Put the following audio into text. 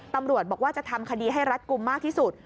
ตำรวจบอกว่าจะทำคดีให้รัฐกลุ่มมากที่สุด